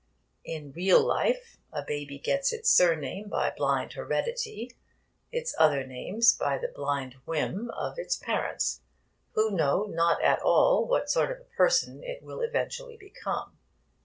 In real life a baby gets its surname by blind heredity, its other names by the blind whim of its parents, who know not at all what sort of a person it will eventually become.